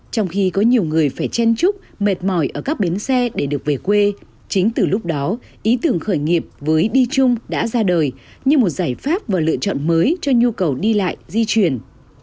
trong khi có nhiều người phải chen trúc mệt mỏi ở các bến xe để được về quê chính từ lúc đó ý tưởng khởi nghiệp với đi chung đã ra đời như một giải pháp và lựa chọn mới cho nhu cầu đi lại di chuyển